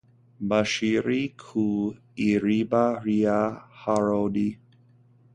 bashiriye ku iriba rya Harodi